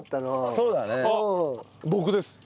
そうだね。